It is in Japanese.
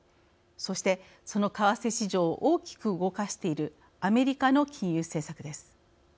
そしてその為替市場を大きく動かしているアメリカの金融政策です。